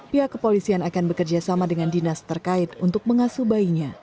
pihak kepolisian akan bekerja sama dengan dinas terkait untuk mengasuh bayinya